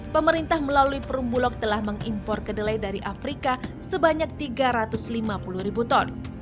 pemerintah melalui perumbulok telah mengimpor kedelai dari afrika sebanyak tiga ratus lima puluh ribu ton